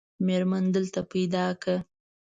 مېرمن دلته پیدا کړه.